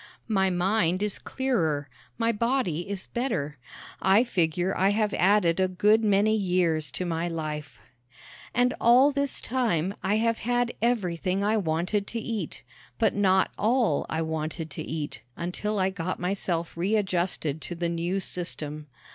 My mind is clearer; my body is better. I figure I have added a good many years to my life. And all this time I have had everything I wanted to eat, but not all I wanted to eat until I got myself readjusted to the new system.